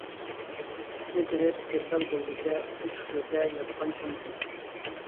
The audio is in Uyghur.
پىتنە تېرىپ، جەددال بولغۇچە، ئوچۇق گۆردە ياتقان چوڭ ھۈنەر!